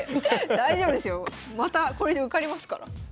大丈夫ですよまたこれで受かりますから。